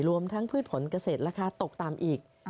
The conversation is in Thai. รวมทั้งพืชผลเกษตรค่าตกตามอีก